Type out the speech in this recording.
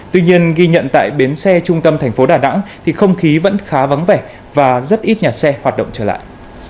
tuy nhiên ghi nhận tại bến xe trung tâm thành phố đà nẵng thì không khí vẫn khá vắng vẻ và rất ít nhà xe hoạt động trở lại